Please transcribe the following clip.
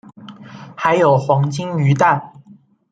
还有黄金鱼蛋